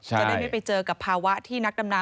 จะได้ไม่ไปเจอกับภาวะที่นักดำน้ำ